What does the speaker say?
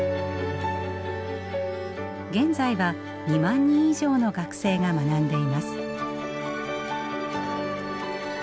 現在は２万人以上の学生が学んでいます。